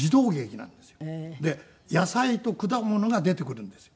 野菜と果物が出てくるんですよ。